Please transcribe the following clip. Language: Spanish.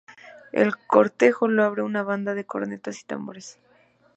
El cortejo lo abre una banda de cornetas y tambores.